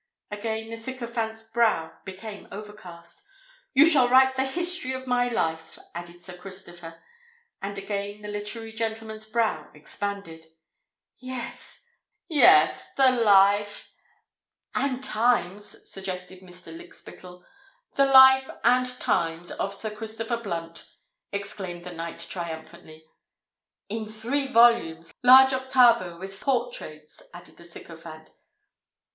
Again the sycophant's brow became overcast. "You shall write the history of my life!" added Sir Christopher. And again the literary gentleman's brow expanded. "Yes—The Life——" "And Times," suggested Mr. Lykspittal. "The Life and Times of Sir Christopher Blunt," exclaimed the knight triumphantly. "In three volumes, large octavo, with portraits," added the sycophant.